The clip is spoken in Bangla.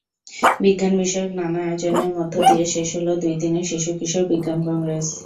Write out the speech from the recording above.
বিজ্ঞানবিষয়ক নানা আয়োজনের মধ্য দিয়ে শেষ হলো দুই দিনের শিশু-কিশোর বিজ্ঞান কংগ্রেস।